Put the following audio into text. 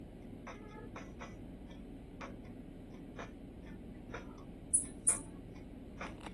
三平寺塔殿的历史年代为清。